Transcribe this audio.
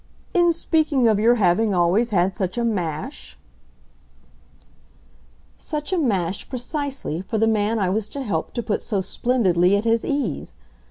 "In speaking of your having always had such a 'mash' ?" "Such a mash, precisely, for the man I was to help to put so splendidly at his ease.